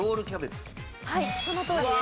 はいそのとおりです。